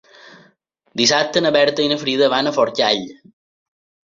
Dissabte na Berta i na Frida van a Forcall.